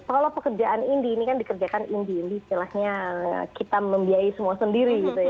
kalau pekerjaan indi ini kan dikerjakan indi indi istilahnya kita membiayai semua sendiri gitu ya